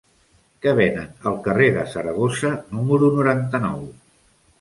Què venen al carrer de Saragossa número noranta-nou?